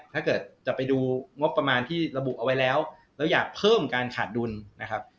ถ้าเกิดจะไปดูงบประมาณที่ระบุเอาไว้แล้วแล้วอยากเพิ่มการขาดดุลนะครับ